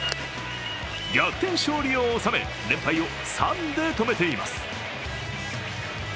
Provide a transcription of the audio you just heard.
逆転勝利を収め、連敗を３で止めています。